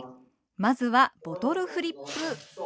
まずはボトルフリップ。